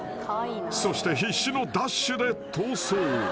［そして必死のダッシュで逃走］